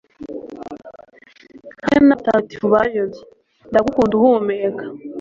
hamwe n'abatagatifu bayobye. ndagukunda uhumeka